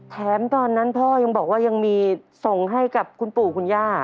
ตอนนั้นพ่อยังบอกว่ายังมีส่งให้กับคุณปู่คุณย่า